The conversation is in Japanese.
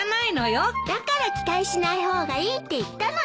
だから期待しない方がいいって言ったのに。